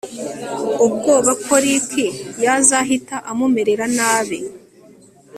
ubwoba ko Rick yazahita amumerera nabi